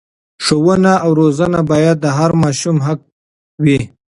ښوونه او روزنه باید د هر ماشوم حق وي.